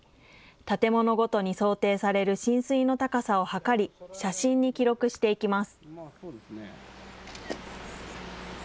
建物ごとに想定される浸水の高さを測り、写真に記録していきます。